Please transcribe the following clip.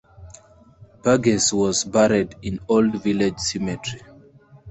Burgess was buried in Old Village Cemetery.